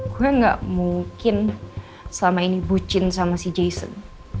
gue gak mungkin selama ini bucin sama si jason